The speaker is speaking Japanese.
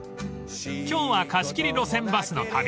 ［今日は貸し切り路線バスの旅］